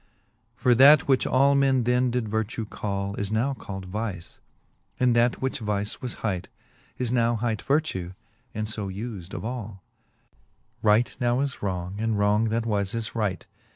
IV. For that, which all men then did vertue call, Is now cald vice ; and that, which vice was bight, Is now hight vertue, and fb us'd of all ; Right now is wrong, and wrong that was is right.